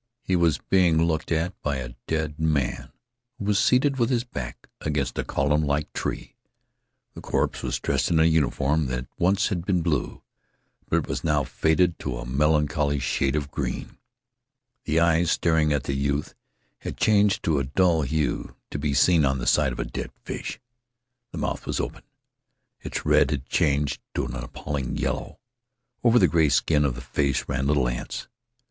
He was being looked at by a dead man who was seated with his back against a columnlike tree. The corpse was dressed in a uniform that once had been blue, but was now faded to a melancholy shade of green. The eyes, staring at the youth, had changed to the dull hue to be seen on the side of a dead fish. The mouth was open. Its red had changed to an appalling yellow. Over the gray skin of the face ran little ants.